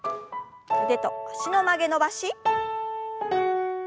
腕と脚の曲げ伸ばし。